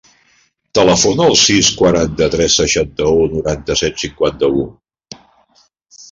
Telefona al sis, quaranta-tres, seixanta-u, noranta-set, cinquanta-u.